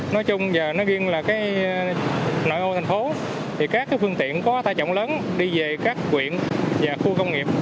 nói chung là nội ô thành phố các phương tiện có tài trọng lớn đi về các quyện và khu công nghiệp